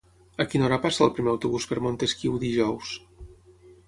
A quina hora passa el primer autobús per Montesquiu dijous?